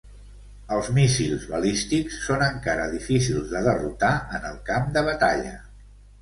Els míssils balístics són encara difícils de derrotar en el camp de batalla.